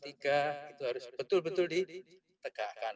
itu harus betul betul ditegakkan